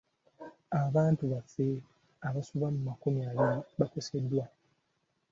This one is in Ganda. Abantu baffe abasoba mu makumi abiri bakoseddwa.